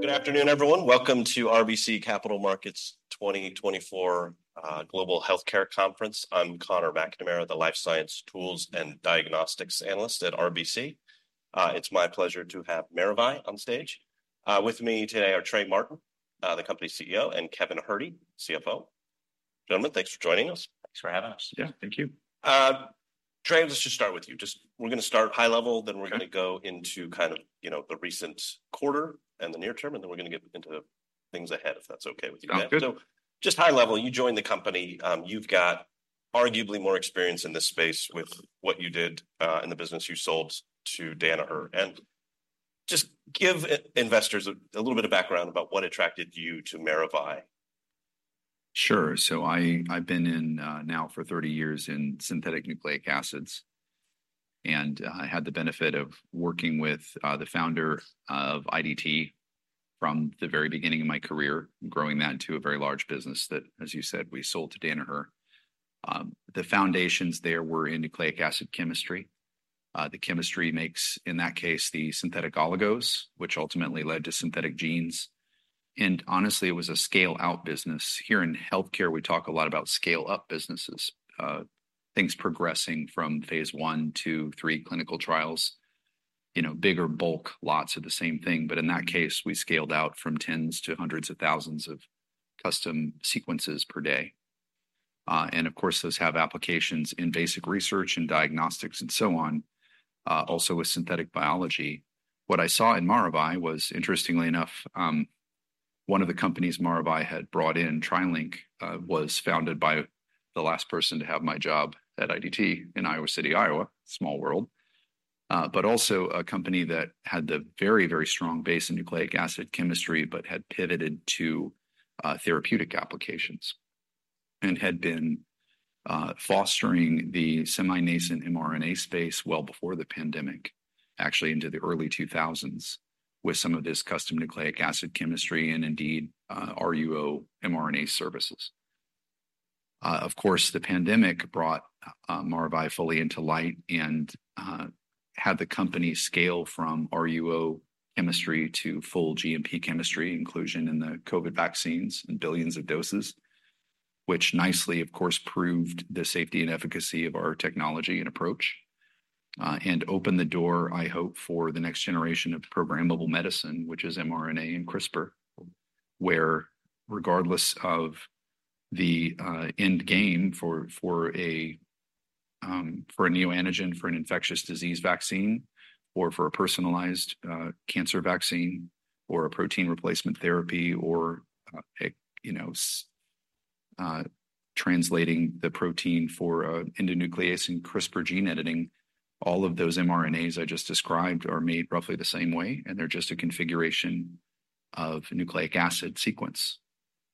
Good afternoon, everyone. Welcome to RBC Capital Markets 2024 Global Healthcare Conference. I'm Conor McNamara, the Life Science Tools and Diagnostics Analyst at RBC. It's my pleasure to have Maravai on stage. With me today are Trey Martin, the company CEO, and Kevin Herde, CFO. Gentlemen, thanks for joining us. Thanks for having us. Yeah, thank you. Trey, let's just start with you. Just, we're gonna start high level, then we're gonna go into kind of, you know, the recent quarter and the near term, and then we're gonna get into things ahead if that's okay with you. Sounds good. So, just high level, you joined the company. You've got arguably more experience in this space with what you did in the business you sold to Danaher. Just give investors a little bit of background about what attracted you to Maravai. Sure. So I've been in, now for 30 years in synthetic nucleic acids. And I had the benefit of working with the founder of IDT from the very beginning of my career, growing that into a very large business that, as you said, we sold to Danaher. The foundations there were in nucleic acid chemistry. The chemistry makes, in that case, the synthetic oligos, which ultimately led to synthetic genes. And honestly, it was a scale-out business. Here in healthcare, we talk a lot about scale-up businesses, things progressing from phase I, phase II, phase III clinical trials, you know, bigger bulk lots of the same thing. But in that case, we scaled out from tens to hundreds of thousands of custom sequences per day. And of course, those have applications in basic research and diagnostics and so on, also with synthetic biology. What I saw in Maravai was, interestingly enough, one of the companies Maravai had brought in, TriLink, was founded by the last person to have my job at IDT in Iowa City, Iowa, small world, but also a company that had the very, very strong base in nucleic acid chemistry but had pivoted to therapeutic applications and had been fostering the semi-nascent mRNA space well before the pandemic, actually into the early 2000s, with some of this custom nucleic acid chemistry and indeed RUO mRNA services. Of course, the pandemic brought Maravai fully into light and had the company scale from RUO chemistry to full GMP chemistry, inclusion in the COVID vaccines and billions of doses, which nicely, of course, proved the safety and efficacy of our technology and approach, and opened the door, I hope, for the next generation of programmable medicine, which is mRNA and CRISPR, where regardless of the end game for a neoantigen, for an infectious disease vaccine, or for a personalized cancer vaccine, or a protein replacement therapy, or a you know translating the protein for endonuclease and CRISPR gene editing, all of those mRNAs I just described are made roughly the same way, and they're just a configuration of nucleic acid sequence.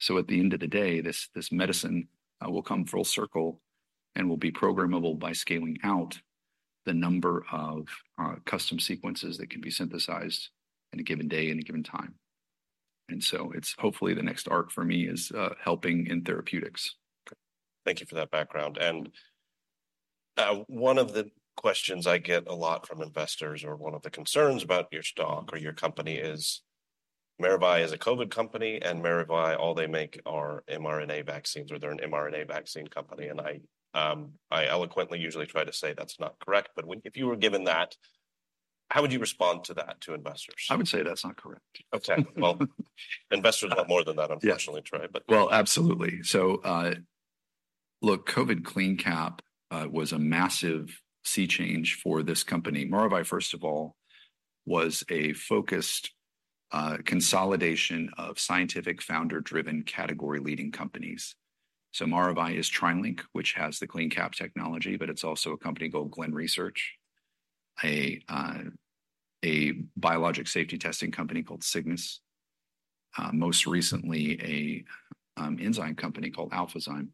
So at the end of the day, this, this medicine, will come full circle and will be programmable by scaling out the number of custom sequences that can be synthesized in a given day and a given time. And so it's hopefully the next arc for me is helping in therapeutics. Okay. Thank you for that background. One of the questions I get a lot from investors or one of the concerns about your stock or your company is Maravai is a COVID company, and Maravai, all they make are mRNA vaccines, or they're an mRNA vaccine company. I eloquently usually try to say that's not correct. But when if you were given that, how would you respond to that to investors? I would say that's not correct. Okay. Well, investors want more than that, unfortunately, Trey, but. Well, absolutely. So, look, COVID CleanCap was a massive sea change for this company. Maravai, first of all, was a focused consolidation of scientific founder-driven category-leading companies. So Maravai is TriLink, which has the CleanCap technology, but it's also a company called Glen Research, a biologic safety testing company called Cygnus, most recently an enzyme company called Alphazyme.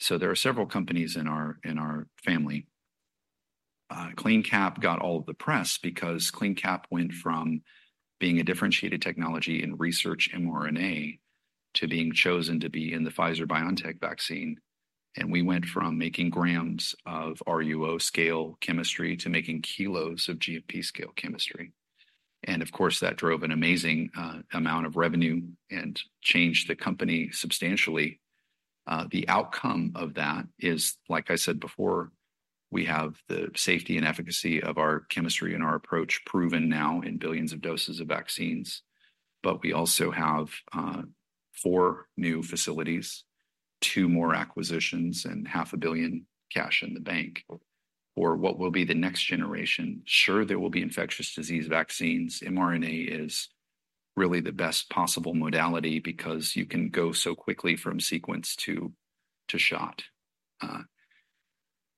So there are several companies in our family. CleanCap got all of the press because CleanCap went from being a differentiated technology in research mRNA to being chosen to be in the Pfizer-BioNTech vaccine. And we went from making grams of RUO-scale chemistry to making kilos of GMP-scale chemistry. And of course, that drove an amazing amount of revenue and changed the company substantially. The outcome of that is, like I said before, we have the safety and efficacy of our chemistry and our approach proven now in billions of doses of vaccines. But we also have four new facilities, two more acquisitions, and $0.5 billion cash in the bank for what will be the next generation. Sure, there will be infectious disease vaccines. mRNA is really the best possible modality because you can go so quickly from sequence to shot.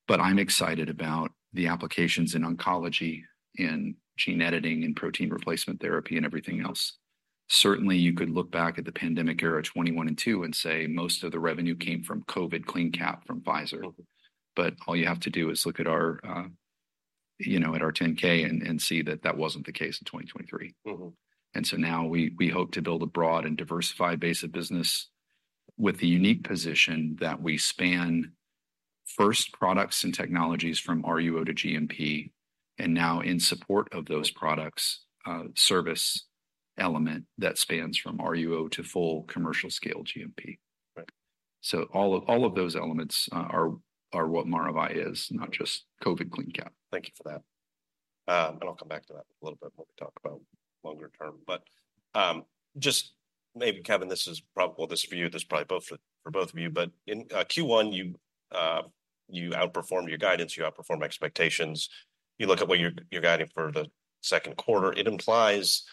But I'm excited about the applications in oncology and gene editing and protein replacement therapy and everything else. Certainly, you could look back at the pandemic era 2021 and 2022 and say, "Most of the revenue came from COVID CleanCap from Pfizer." But all you have to do is look at our, you know, at our 10-K and see that that wasn't the case in 2023. And so now we hope to build a broad and diversified base of business with the unique position that we span first products and technologies from RUO to GMP and now, in support of those products, service element that spans from RUO to full commercial-scale GMP. So all of those elements are what Maravai is, not just COVID CleanCap. Thank you for that. I'll come back to that a little bit when we talk about longer term. Just maybe, Kevin, this is probably well, this for you, this is probably both for both of you. In Q1, you outperform your guidance, you outperform expectations. You look at what you're guiding for the second quarter. It implies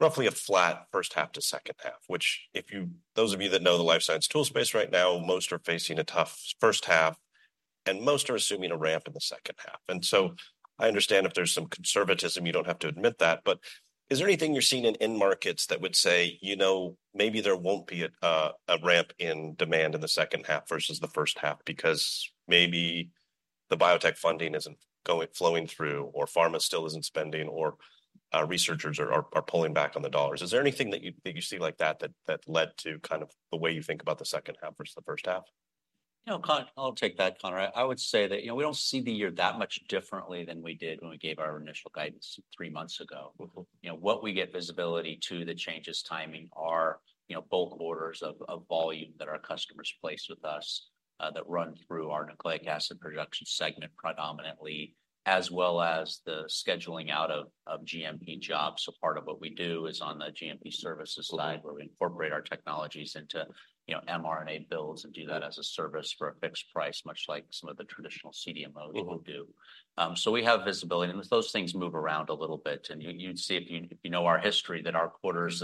roughly a flat first half to second half, which if you those of you that know the Life Science Tools space right now, most are facing a tough first half, and most are assuming a ramp in the second half. So I understand if there's some conservatism, you don't have to admit that. But is there anything you're seeing in markets that would say, you know, maybe there won't be a ramp in demand in the second half versus the first half because maybe the biotech funding isn't flowing through, or pharma still isn't spending, or researchers are pulling back on the dollars? Is there anything that you see like that that led to kind of the way you think about the second half versus the first half? You know, Conor, I'll take that, Conor. I would say that, you know, we don't see the year that much differently than we did when we gave our initial guidance three months ago. You know, what we get visibility to, the changes, timing are, you know, bulk orders of volume that our customers place with us, that run through our nucleic acid production segment predominantly, as well as the scheduling out of GMP jobs. So part of what we do is on the GMP services side where we incorporate our technologies into, you know, mRNA builds and do that as a service for a fixed price, much like some of the traditional CDMOs will do. So we have visibility, and as those things move around a little bit, and you'd see if you know our history that our quarters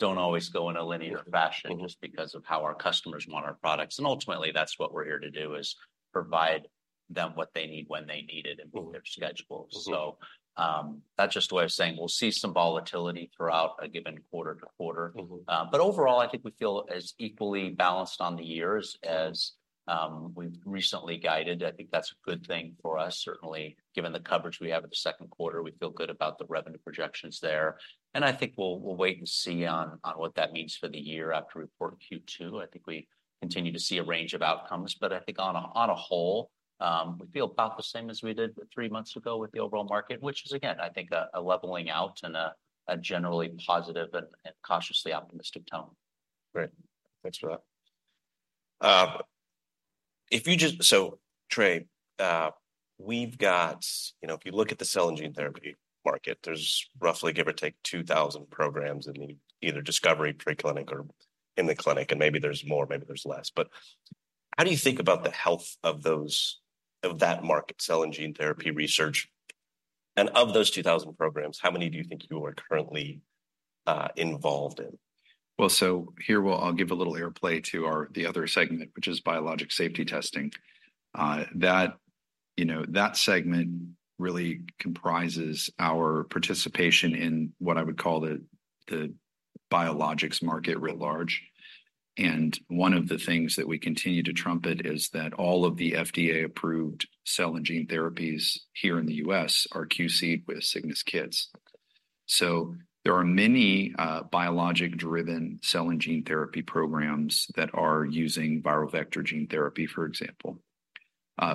don't always go in a linear fashion just because of how our customers want our products. And ultimately, that's what we're here to do, is provide them what they need when they need it and meet their schedules. So, that's just the way of saying we'll see some volatility throughout a given quarter to quarter. But overall, I think we feel as equally balanced on the years as we've recently guided. I think that's a good thing for us, certainly given the coverage we have in the second quarter. We feel good about the revenue projections there. And I think we'll wait and see on what that means for the year after report Q2. I think we continue to see a range of outcomes. But I think on a whole, we feel about the same as we did three months ago with the overall market, which is, again, I think, a leveling out and a generally positive and cautiously optimistic tone. Great. Thanks for that. If you just so, Trey, we've got, you know, if you look at the cell and gene therapy market, there's roughly, give or take, 2,000 programs in either discovery, preclinical, or in the clinic. And maybe there's more, maybe there's less. But how do you think about the health of those of that market, cell and gene therapy research? And of those 2,000 programs, how many do you think you are currently involved in? Well, so here we'll give a little airplay to our other segment, which is biologics safety testing. You know, that segment really comprises our participation in what I would call the biologics market writ large. And one of the things that we continue to trumpet is that all of the FDA-approved cell and gene therapies here in the U.S. are QC'd with Cygnus kits. So there are many biologic-driven cell and gene therapy programs that are using viral vector gene therapy, for example.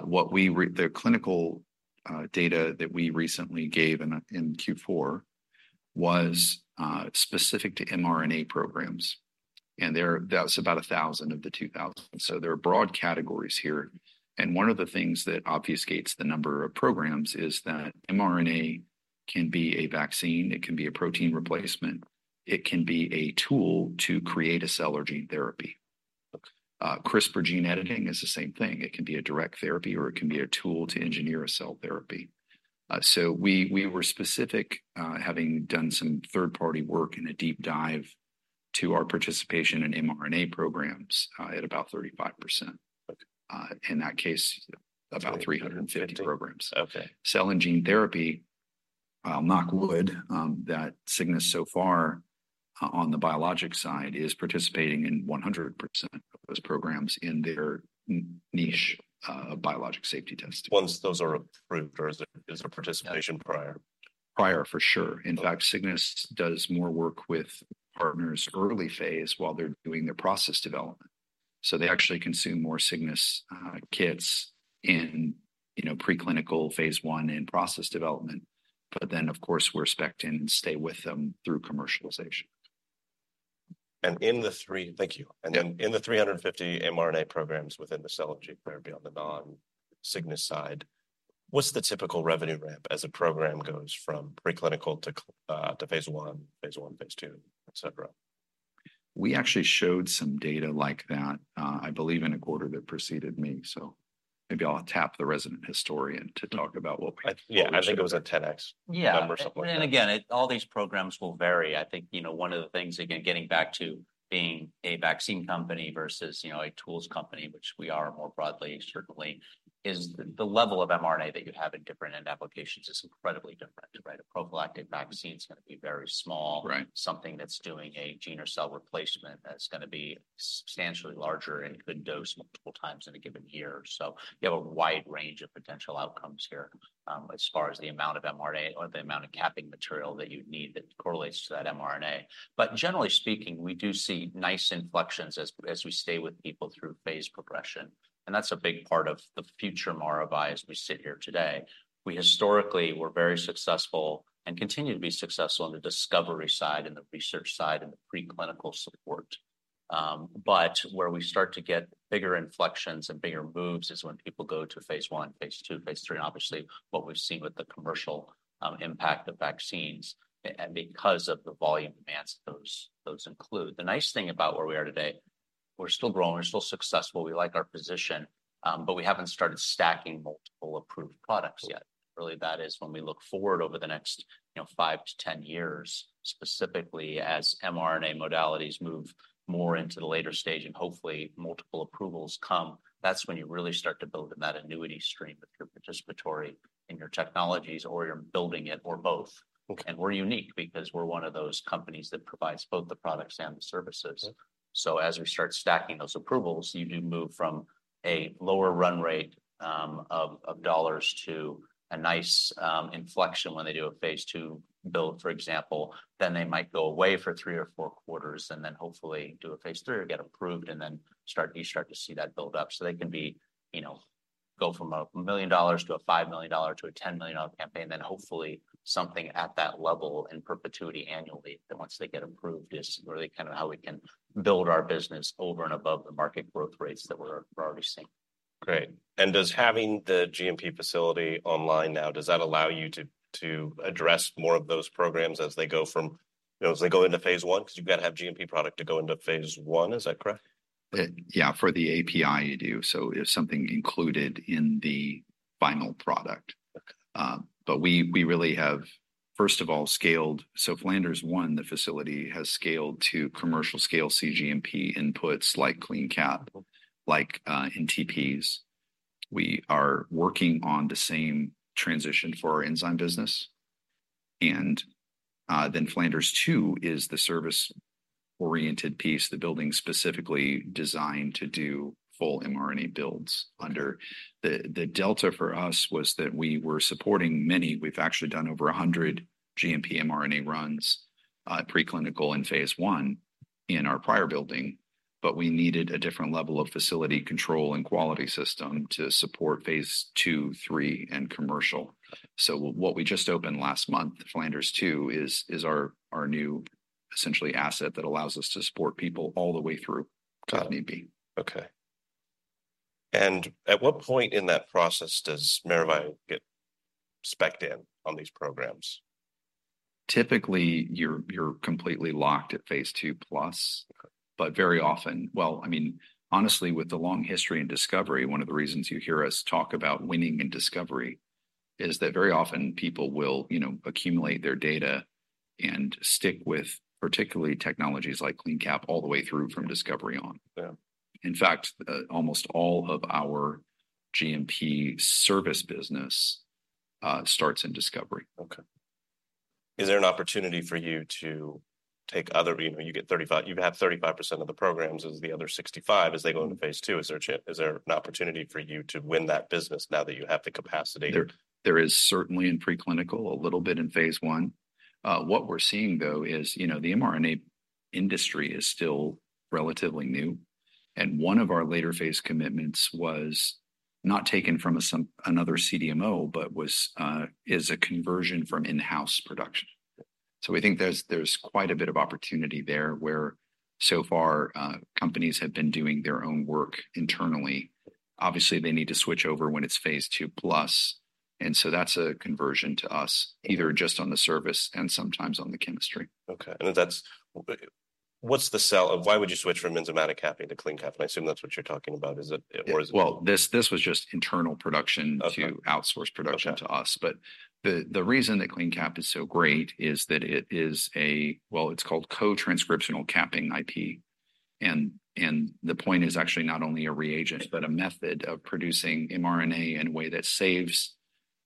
What we're the clinical data that we recently gave in Q4 was specific to mRNA programs. And there that was about 1,000 of the 2,000. So there are broad categories here. And one of the things that obfuscates the number of programs is that mRNA can be a vaccine. It can be a protein replacement. It can be a tool to create a cell or gene therapy. CRISPR gene editing is the same thing. It can be a direct therapy, or it can be a tool to engineer a cell therapy. So we were specific, having done some third-party work and a deep dive to our participation in mRNA programs, at about 35%. In that case, about 350 programs. Okay. Cell and Gene Therapy, I'll knock wood, that Cygnus so far, on the biologic side is participating in 100% of those programs in their niche, of biologic safety testing. Once those are approved, or is there participation prior? Prior, for sure. In fact, Cygnus does more work with partners early phase while they're doing their process development. So they actually consume more Cygnus kits in, you know, preclinical phase I and process development. But then, of course, we're spec'd in and stay with them through commercialization. And in the queue, thank you. Then in the 350 mRNA programs within the cell and gene therapy on the non-Cygnus side, what's the typical revenue ramp as a program goes from preclinical to phase I, phase II, etc.? We actually showed some data like that, I believe, in a quarter that preceded me. So maybe I'll tap the resident historian to talk about what we've seen. Yeah. I think it was a 10x number or something like that. Yeah. And again, it all these programs will vary. I think, you know, one of the things, again, getting back to being a vaccine company versus, you know, a tools company, which we are more broadly, certainly, is the level of mRNA that you have in different end applications is incredibly different, right? A prophylactic vaccine's going to be very small. Right. Something that's doing a gene or cell replacement that's going to be substantially larger and could dose multiple times in a given year. So you have a wide range of potential outcomes here, as far as the amount of mRNA or the amount of capping material that you'd need that correlates to that mRNA. But generally speaking, we do see nice inflections as we stay with people through phase progression. And that's a big part of the future Maravai as we sit here today. We historically were very successful and continue to be successful in the discovery side and the research side and the preclinical support. But where we start to get bigger inflections and bigger moves is when people go to phase I, phase II, phase III, and obviously what we've seen with the commercial impact of vaccines and because of the volume demands that those include. The nice thing about where we are today, we're still growing. We're still successful. We like our position. But we haven't started stacking multiple approved products yet. Really, that is when we look forward over the next, you know, 5 years-10 years, specifically as mRNA modalities move more into the later stage and hopefully multiple approvals come, that's when you really start to build in that annuity stream with your participatory in your technologies or you're building it or both. And we're unique because we're one of those companies that provides both the products and the services. So as we start stacking those approvals, you do move from a lower run rate of dollars to a nice inflection when they do a phase II build, for example, then they might go away for three or four quarters and then hopefully do a phase III or get approved and then you start to see that build up. So they can be, you know, go from a $1 million to a $5 million to a $10 million campaign, then hopefully something at that level in perpetuity annually that once they get approved is really kind of how we can build our business over and above the market growth rates that we're already seeing. Great. And does having the GMP facility online now, does that allow you to address more of those programs as they go from you know, as they go into phase I? Because you've got to have GMP product to go into phase I. Is that correct? Yeah, for the API, you do. So it's something included in the final product. But we really have, first of all, scaled. So Flanders One, the facility has scaled to commercial-scale cGMP inputs like CleanCap, like NTPs. We are working on the same transition for our enzyme business. And then Flanders Two is the service-oriented piece, the building specifically designed to do full mRNA builds. Under the delta for us was that we were supporting many. We've actually done over 100 GMP mRNA runs, preclinical and phase I in our prior building. But we needed a different level of facility control and quality system to support phase II, three, and commercial. So what we just opened last month, Flanders Two, is our new essential asset that allows us to support people all the way through if need be. Got it. Okay. At what point in that process does Maravai get spec'd in on these programs? Typically, you're completely locked at phase two plus. But very often, well, I mean, honestly, with the long history in discovery, one of the reasons you hear us talk about winning in discovery is that very often people will, you know, accumulate their data and stick with particular technologies like CleanCap all the way through from discovery on. Yeah. In fact, almost all of our GMP service business starts in discovery. Okay. Is there an opportunity for you to take other, you know, you get 35%, you have 35% of the programs as the other 65%. As they go into phase II, is there a chance, is there an opportunity for you to win that business now that you have the capacity? There is certainly in preclinical, a little bit in phase I. What we're seeing, though, is, you know, the mRNA industry is still relatively new. And one of our later phase commitments was not taken from some other CDMO, but is a conversion from in-house production. So we think there's quite a bit of opportunity there where so far, companies have been doing their own work internally. Obviously, they need to switch over when it's phase II plus. And so that's a conversion to us either just on the service and sometimes on the chemistry. Okay. And that's what's the sell of why would you switch from enzymatic capping to CleanCap? And I assume that's what you're talking about. Is it or is it? Well, this was just internal production to outsource production to us. But the reason that CleanCap is so great is that it is a, well, it's called co-transcriptional capping IP. And the point is actually not only a reagent, but a method of producing mRNA in a way that saves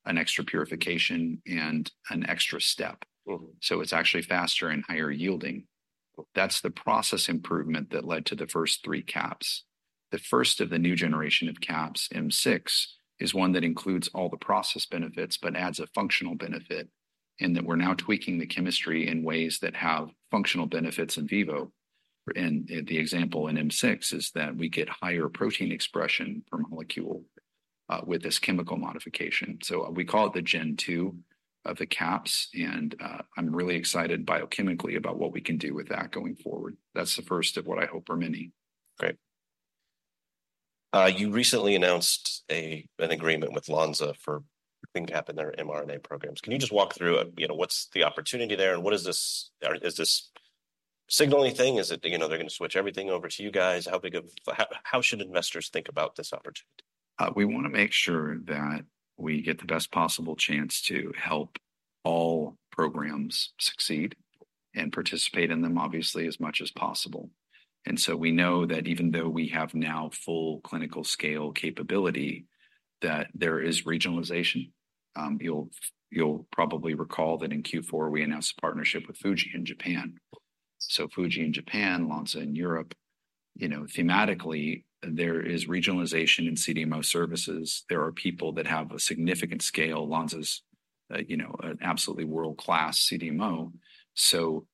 an extra purification and an extra step. So it's actually faster and higher yielding. That's the process improvement that led to the first three caps. The first of the new generation of caps, M6, is one that includes all the process benefits but adds a functional benefit in that we're now tweaking the chemistry in ways that have functional benefits in vivo. And the example in M6 is that we get higher protein expression per molecule, with this chemical modification. So we call it the Gen II of the caps. I'm really excited biochemically about what we can do with that going forward. That's the first of what I hope for many. Great. You recently announced an agreement with Lonza for CleanCap and their mRNA programs. Can you just walk through, you know, what's the opportunity there and what is this or is this signaling thing? Is it, you know, they're going to switch everything over to you guys? How big of how should investors think about this opportunity? We want to make sure that we get the best possible chance to help all programs succeed and participate in them, obviously, as much as possible. So we know that even though we have now full clinical scale capability, that there is regionalization. You'll probably recall that in Q4, we announced a partnership with Fuji in Japan. So Fuji in Japan, Lonza in Europe, you know, thematically, there is regionalization in CDMO services. There are people that have a significant scale, Lonza's, you know, an absolutely world-class CDMO. So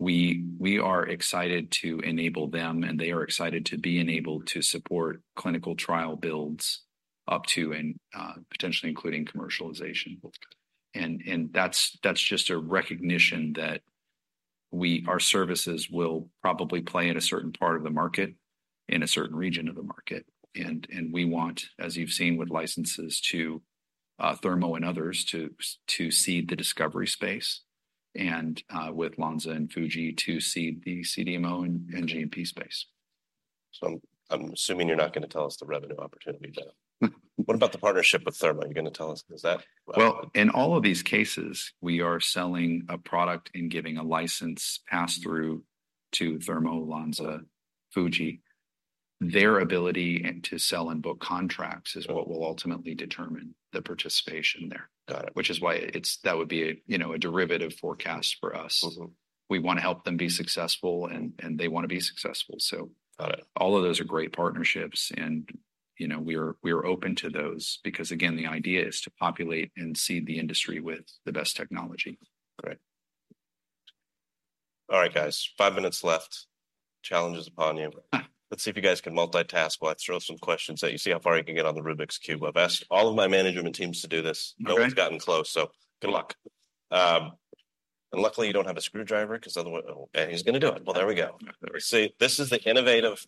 we are excited to enable them, and they are excited to be enabled to support clinical trial builds up to and, potentially including commercialization. And that's just a recognition that our services will probably play in a certain part of the market, in a certain region of the market. And we want, as you've seen with licenses to Thermo and others to seed the discovery space. And, with Lonza and Fuji to seed the CDMO and GMP space. So I'm assuming you're not going to tell us the revenue opportunity there. What about the partnership with Thermo? Are you going to tell us? Is that? Well, in all of these cases, we are selling a product and giving a license pass-through to Thermo, Lonza, Fuji. Their ability to sell and book contracts is what will ultimately determine the participation there. Got it. Which is why it's that would be a, you know, a derivative forecast for us. We want to help them be successful, and they want to be successful, so. Got it. All of those are great partnerships. You know, we are open to those because, again, the idea is to populate and seed the industry with the best technology. Great. All right, guys. five minutes left. Challenges upon you. Let's see if you guys can multitask while I throw some questions at you. See how far you can get on the Rubik's Cube. I've asked all of my management teams to do this. No one's gotten close, so good luck. And luckily, you don't have a screwdriver because otherwise and he's going to do it. Well, there we go. See, this is the innovative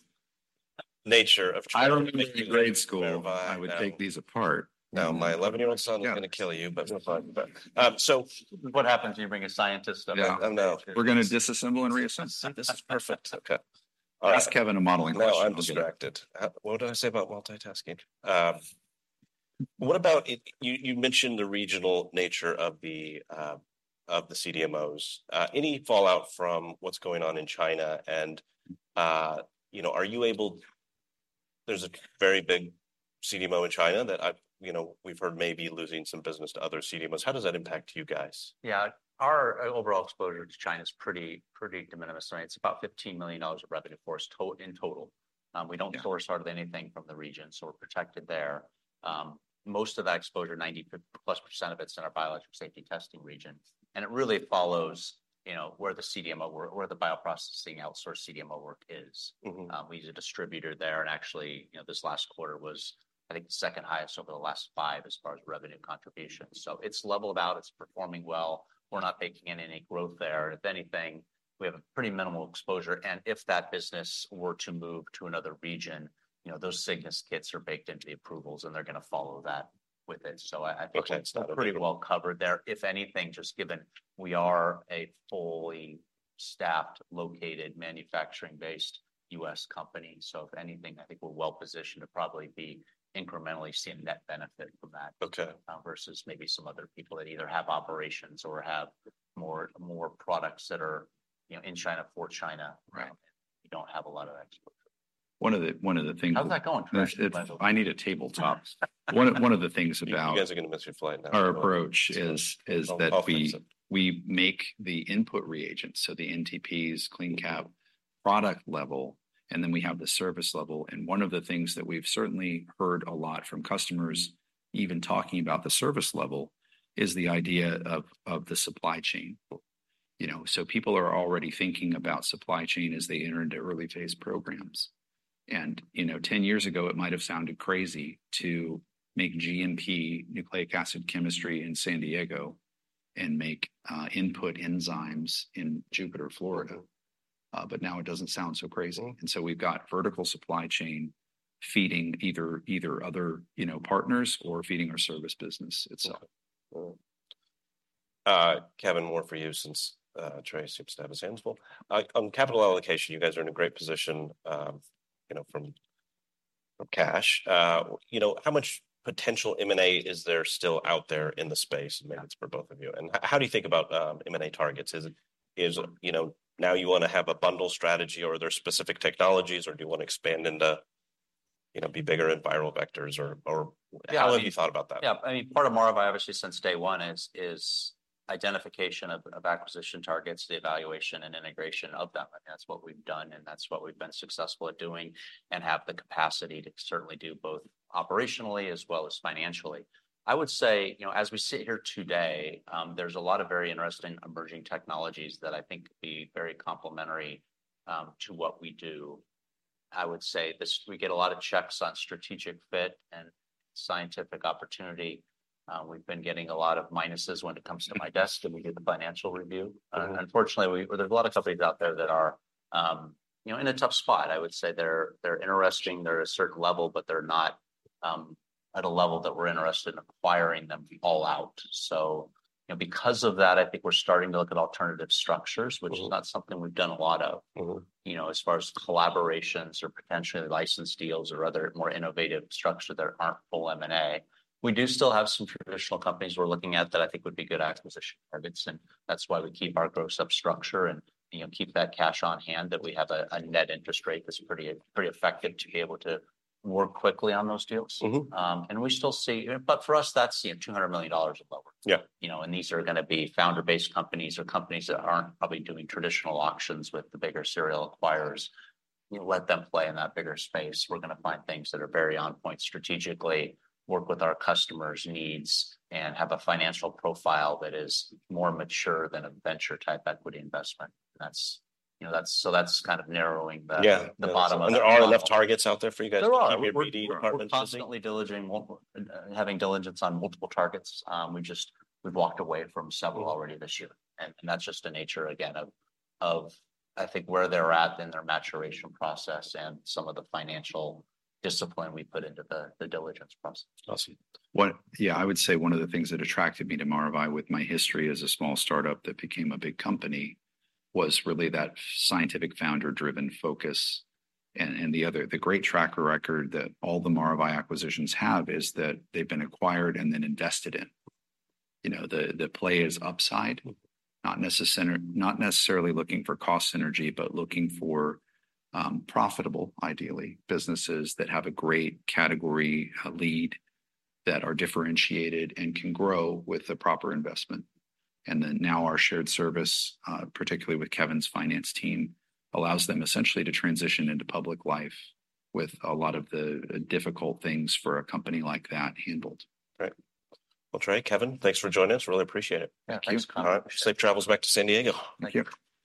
nature of- I remember in grade school, I would take these apart. Now, my 11-year-old son is going to kill you, but no fun. So what happens when you bring a scientist up? Yeah. I don't know. We're going to disassemble and reassemble. This is perfect. Okay. All right. Ask Kevin a modeling question. No, I'm distracted. What did I say about multitasking? What about you mentioned the regional nature of the CDMOs? Any fallout from what's going on in China? And, you know, are you able there's a very big CDMO in China that I've, you know, we've heard may be losing some business to other CDMOs? How does that impact you guys? Yeah. Our overall exposure to China is pretty de minimis. So it's about $15 million of revenue in total. We don't source hardly anything from the region, so we're protected there. Most of that exposure, 90%+ of it's in our biologics safety testing region. And it really follows, you know, where the CDMO work where the bioprocessing outsource CDMO work is. We use a distributor there and actually, you know, this last quarter was, I think, the second highest over the last five as far as revenue contribution. So it's leveled out. It's performing well. We're not baking in any growth there. And if anything, we have a pretty minimal exposure. And if that business were to move to another region, you know, those Cygnus kits are baked into the approvals, and they're going to follow that with it. So I think it's pretty well covered there. If anything, just given we are a fully staffed, located, manufacturing-based U.S. company. So if anything, I think we're well positioned to probably be incrementally seeing net benefit from that. Okay. Versus maybe some other people that either have operations or have more products that are, you know, in China, for China. Right. We don't have a lot of exposure. One of the things. How's that going? I need a tabletop. One of the things about. You guys are going to miss your flight now. Our approach is that we make the input reagents, so the NTPs, CleanCap, product level, and then we have the service level. And one of the things that we've certainly heard a lot from customers, even talking about the service level, is the idea of the supply chain. You know, so people are already thinking about supply chain as they enter into early phase programs. And, you know, 10 years ago, it might have sounded crazy to make GMP nucleic acid chemistry in San Diego and make input enzymes in Jupiter, Florida. But now it doesn't sound so crazy. And so we've got vertical supply chain feeding either other, you know, partners or feeding our service business itself. Kevin, more for you since Trey seems to have his hands full. On capital allocation, you guys are in a great position, you know, from cash. You know, how much potential M&A is there still out there in the space? Maybe it's for both of you. And how do you think about M&A targets? Is it, you know, now you want to have a bundle strategy or are there specific technologies or do you want to expand into, you know, be bigger in viral vectors or how have you thought about that? Yeah. I mean, part of Maravai, obviously, since day one is identification of acquisition targets, the evaluation and integration of them. I mean, that's what we've done, and that's what we've been successful at doing and have the capacity to certainly do both operationally as well as financially. I would say, you know, as we sit here today, there's a lot of very interesting emerging technologies that I think could be very complementary to what we do. I would say this we get a lot of checks on strategic fit and scientific opportunity. We've been getting a lot of minuses when it comes to my desk and we do the financial review. Unfortunately, there's a lot of companies out there that are, you know, in a tough spot. I would say they're interesting. They're at a certain level, but they're not at a level that we're interested in acquiring them all out. So, you know, because of that, I think we're starting to look at alternative structures, which is not something we've done a lot of, you know, as far as collaborations or potentially license deals or other more innovative structure that aren't full M&A. We do still have some traditional companies we're looking at that I think would be good acquisition targets. And that's why we keep our growth sub-structure and, you know, keep that cash on hand that we have a net interest rate that's pretty effective to be able to work quickly on those deals. And we still see, but for us, that's, you know, $200 million or lower. Yeah. You know, and these are going to be founder-based companies or companies that aren't probably doing traditional auctions with the bigger serial acquirers. You know, let them play in that bigger space. We're going to find things that are very on point strategically, work with our customers' needs, and have a financial profile that is more mature than a venture-type equity investment. And that's, you know, that's so that's kind of narrowing the bottom of the. Yeah. And there are enough targets out there for you guys? There are. We're constantly diligent having diligence on multiple targets. We've just walked away from several already this year. And that's just the nature, again, of I think where they're at in their maturation process and some of the financial discipline we put into the diligence process. Awesome. Yeah, I would say one of the things that attracted me to Maravai with my history as a small startup that became a big company was really that scientific founder-driven focus. And the other great track record that all the Maravai acquisitions have is that they've been acquired and then invested in. You know, the play is upside, not necessarily looking for cost synergy, but looking for profitable, ideally, businesses that have a great category lead that are differentiated and can grow with the proper investment. And then now our shared service, particularly with Kevin's finance team, allows them essentially to transition into public life with a lot of the difficult things for a company like that handled. Great. Well, Trey, Kevin, thanks for joining us. Really appreciate it. Thanks, Connor. All right. Safe travels back to San Diego. Thank you.